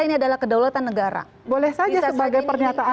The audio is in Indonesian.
ini adalah kedaulatan negara boleh saja sebagai pernyataan